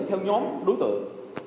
theo nhóm đối tượng